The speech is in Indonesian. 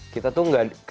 kita tuh enggak